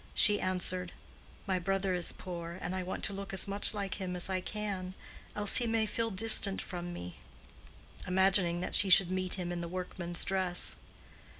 she answered, "My brother is poor, and I want to look as much like him as I can, else he may feel distant from me"—imagining that she should meet him in the workman's dress.